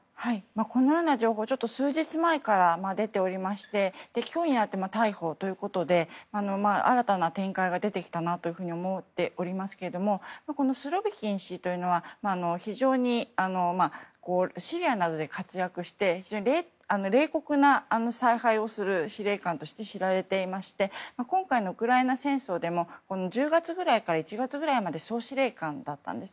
このような情報が数日前から出ていまして今日になって逮捕ということで新たな展開が出てきたと思っておりますがこのスロビキン氏というのはシリアなどで活躍して非常に冷酷な采配をする司令官として知られていまして今回のウクライナ戦争でも１０月ぐらいから１月ぐらいまで総司令官だったんです。